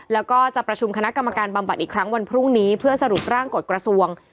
แล้วก็จะประชุมคณะกรรมการบำบัดอีกครั้งวันพรุ่งนี้เพื่อสรุปร่างกฎกระทรวง